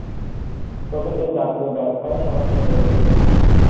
তবে এ জাতীয় ব্যাখ্যায় সমস্যা রয়েছে।